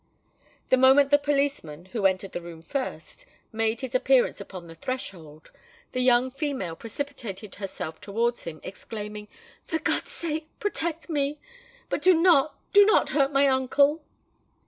The moment the policeman, who entered the room first, made his appearance upon the threshold, a young female precipitated herself towards him, exclaiming, "For God's sake protect me—but do not, do not hurt my uncle!"